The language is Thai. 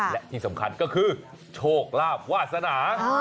และที่สำคัญก็คือโชคลาภวาสนา